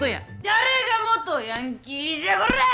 誰が元ヤンキーじゃコラッ！